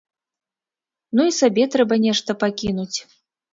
Ну і сабе трэба нешта пакінуць.